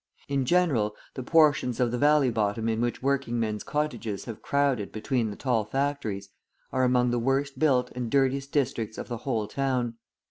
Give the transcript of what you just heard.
In general, the portions of the valley bottom in which working men's cottages have crowded between the tall factories, are among the worst built and dirtiest districts of the whole town.